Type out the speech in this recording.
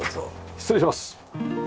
失礼します。